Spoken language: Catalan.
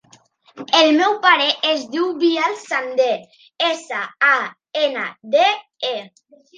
El meu pare es diu Biel Sande: essa, a, ena, de, e.